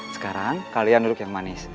sekarang kalian duduk yang manis